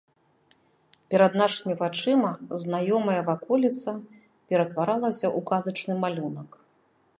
Перад нашымі вачыма знаёмая ваколіца ператваралася ў казачны малюнак.